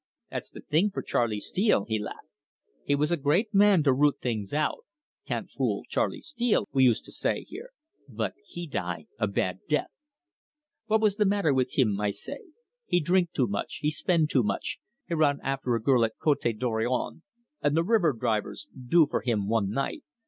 'That's the thing for Charley Steele,' he laugh. 'He was great man to root things out. Can't fool Charley Steele, we use to say here. But he die a bad death.' 'What was the matter with him?' I say. 'He drink too much, he spend too much, he run after a girl at Cote Dorion, and the river drivers do for him one night.